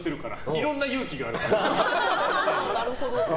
いろんな勇気があるから。